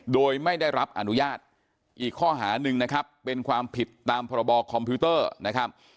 โดยไม่ได้รับอนุญาตอีกข้อหาหนึ่งนะครับเป็นความผิดตามพคนะครับ